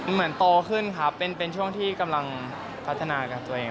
เหมือนโตขึ้นครับเป็นช่วงที่กำลังพัฒนากับตัวเอง